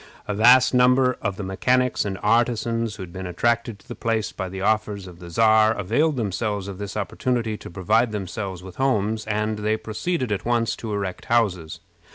A vast number of the mechanics and artisans who had been attracted to the place by the offers of the Czar availed themselves of this opportunity to provide themselves with homes, and they proceeded at once to erect houses.